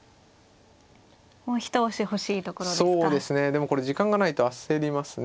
でもこれ時間がないと焦りますね